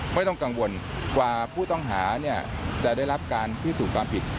ไม่ต้องกังวลกว่าผู้ต้องหาจะได้รับการพิสูจน์ความผิด